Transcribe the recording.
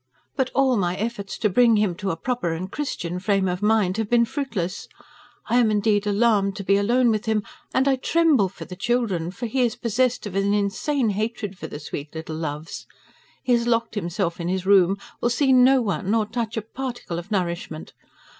BUT ALL MY EFFORTS TO BRING HIM TO A PROPER AND "CHRISTIAN" FRAME OF MIND HAVE BEEN FRUITLESS. I AM INDEED ALARMED TO BE ALONE WITH HIM, AND I TREMBLE FOR THE CHILDREN, FOR HE IS POSSESSED OF AN "INSANE" HATRED FOR THE SWEET LITTLE LOVES. HE HAS LOCKED HIMSELF IN HIS ROOM, WILL SEE "NO ONE" NOR TOUCH A "PARTICLE" OF NOURISHMENT.